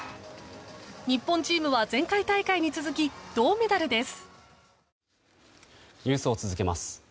日本チームは前回大会に続き銅メダルです。